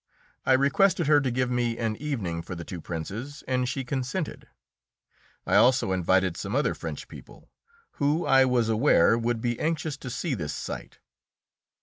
I requested her to give me an evening for the two Princes, and she consented. I also invited some other French people, who I was aware would be anxious to see this sight.